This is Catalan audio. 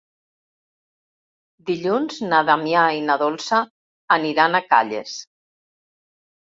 Dilluns na Damià i na Dolça aniran a Calles.